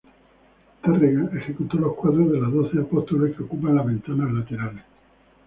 Tárrega ejecutó los cuadros de los doce apóstoles que ocupan las ventanas laterales.